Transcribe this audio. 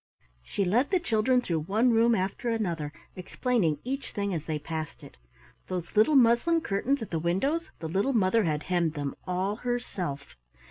She led the children through one room after another, explaining each thing as they passed it. Those little muslin curtains at the windows, the little mother had hemmed them all herself.